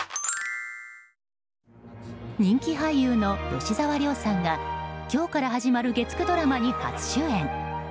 人気俳優の吉沢亮さんが今日から始まる月９ドラマに初主演。